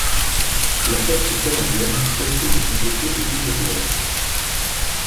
La poste canadienne accepte de son côté les deux appellations.